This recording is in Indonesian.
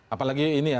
apalagi ini ya